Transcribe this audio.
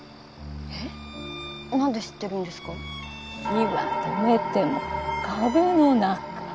火は止めても壁の中。